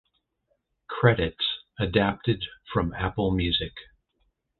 Credits adapted from Apple Music.